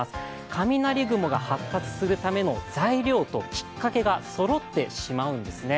雷雲が発達するための材料ときっかけがそろってしまうんですね。